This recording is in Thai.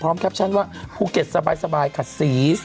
พร้อมแคปชันว่าภูเก็ตสบายค่ะซีส